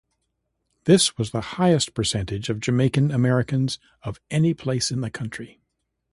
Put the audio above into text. This was the highest percentage of Jamaican Americans of any place in the country.